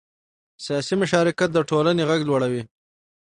سیاسي مشارکت د ټولنې غږ لوړوي